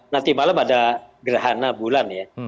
nanti malam ada gerhana bulan ya